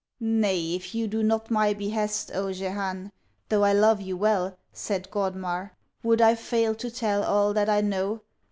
Nay, if you do not my behest, O Jehane! though I love you well, Said Godmar, would I fail to tell All that I know?